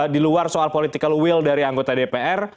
di luar soal political will dari anggota dpr